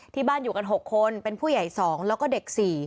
ที่บ้านอยู่กัน๖คนเป็นผู้ใหญ่๒แล้วก็เด็ก๔